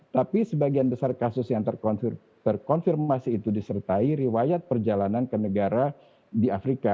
tapi sebagian besar kasus yang terkonfirmasi itu disertai riwayat perjalanan ke negara di afrika